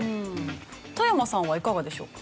田山さんはいかがでしょうか？